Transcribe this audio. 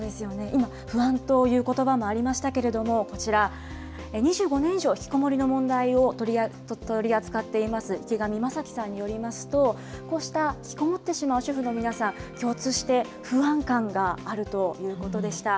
今、不安ということばもありましたけれども、こちら、２５年以上引きこもりの問題を取り扱っています、池上正樹さんによりますと、こうした引きこもってしまう主婦の皆さん、共通して不安感があるということでした。